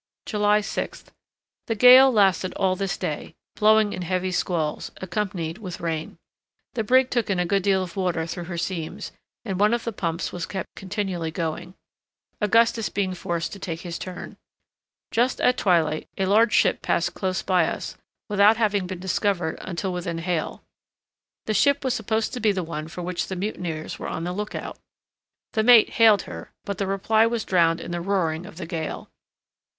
July 6th. The gale lasted all this day, blowing in heavy squalls, accompanied with rain. The brig took in a good deal of water through her seams, and one of the pumps was kept continually going, Augustus being forced to take his turn. Just at twilight a large ship passed close by us, without having been discovered until within hail. The ship was supposed to be the one for which the mutineers were on the lookout. The mate hailed her, but the reply was drowned in the roaring of the gale.